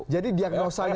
jadi dia gak usah